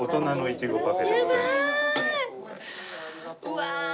うわ！